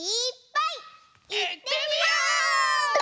いってみよう！